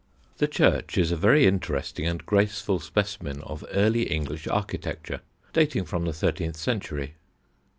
The church is a very interesting and graceful specimen of early English architecture, dating from the 13th century.